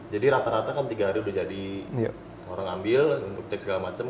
jadi rata rata kan tiga hari udah jadi orang ngambil untuk cek segala macam